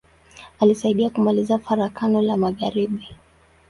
Alisaidia kumaliza Farakano la magharibi.